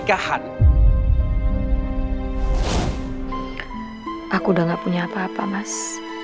aku udah gak punya apa apa mas